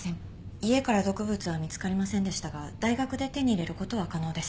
家から毒物は見つかりませんでしたが大学で手に入れることは可能です。